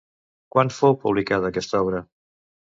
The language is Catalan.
Quan fou publicada aquesta obra?